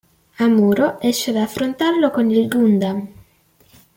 Amuro esce ad affrontarlo con il Gundam.